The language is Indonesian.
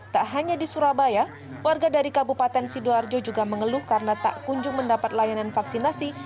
tak hanya di surabaya warga dari kabupaten sidoarjo juga mengeluh karena tak kunjung mendapat layanan vaksinasi